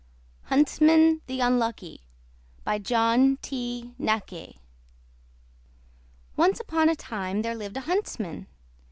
HUNTSMAN THE UNLUCKY By John T. Naaké Once upon a time there lived a huntsman.